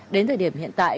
đến thời điểm hiện tại